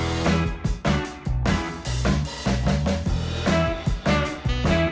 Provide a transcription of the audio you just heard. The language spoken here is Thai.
รับทราบ